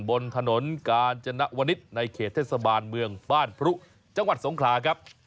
บนถนนกาญจนวนิษฐ์ในเขตเทศบาลเมืองบ้านพรุจังหวัดสงขลาครับ